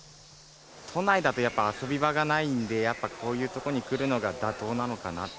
都内だとやっぱ遊び場がないんで、やっぱこういう所に来るのが妥当なのかなって。